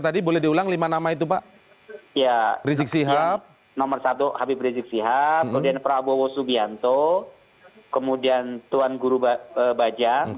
dan pak zulkifli hasan